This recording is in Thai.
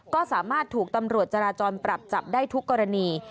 ก็สามารถถูกตำรวจจราจรปรับจับได้ทุกกรณี